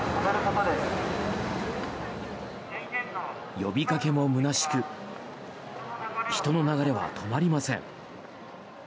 呼びかけも空しく人の流れは止まりません。